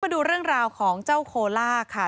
มาดูเรื่องราวของเจ้าโคล่าค่ะ